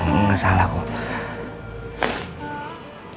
enggak salah kok